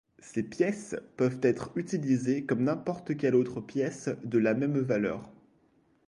Ces pièces peuvent être utilisées comme n'importe quelle autre pièce de la même valeur.